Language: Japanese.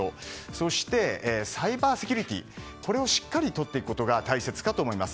そしてサイバーセキュリティーをしっかりとっていくことが大切かと思います。